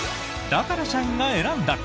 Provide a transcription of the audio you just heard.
だから社員が選んだ！